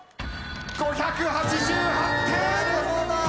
５８８点。